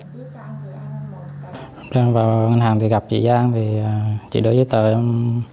khi mình vào ngân hàng thì gặp chị giang thì chị đối với tờ em